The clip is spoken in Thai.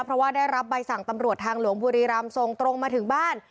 เพราะว่าได้รับใบสั่งตำรวจทางหลวงบุรีรำส่งตรงมาถึงบ้าน